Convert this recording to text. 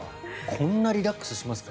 こんなリラックスしますか。